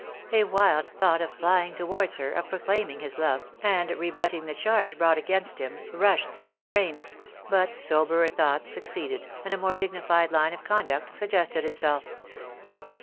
A wild thought of flying towards her, of proclaiming his love, and rebut ting the charge brought against him, rushed through his brain ; but soberer thoughts succeeded, and a more dignified line of con duct suggested itself.